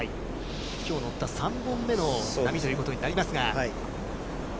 きょう乗った３本目の波ということになりますが。